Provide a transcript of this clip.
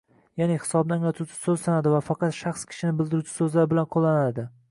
yaʼni hisobni anglatuvchi soʻz sanaladi va faqat shaxs-kishini bildiruvchi soʻzlar bilan qoʻllanadi